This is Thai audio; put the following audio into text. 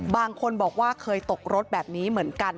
บางคนบอกว่าเคยตกรถแบบนี้เหมือนกัน